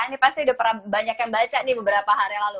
ini pasti udah banyak yang baca beberapa hari lalu